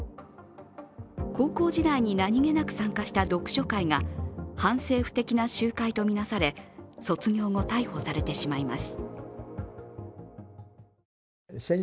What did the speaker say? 高校時代に何気なく参加した読書会が反政府的な集会とみなされ卒業後、逮捕されてしまいます。